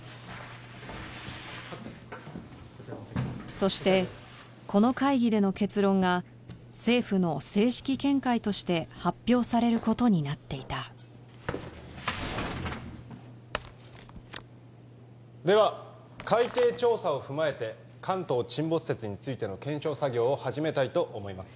そしてこの会議での結論が政府の正式見解として発表されることになっていたでは海底調査を踏まえて関東沈没説についての検証作業を始めたいと思います